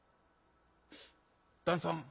「旦さん